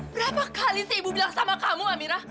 berapa kali sih ibu bilang sama kamu amirah